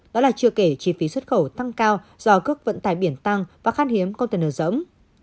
đó là chưa kể chi phí xuất khẩu tăng cao do cước vận tải biển tăng và khan hiếm container dẫm